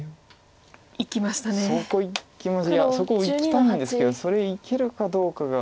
そこいきたいんですけどそれいけるかどうかが。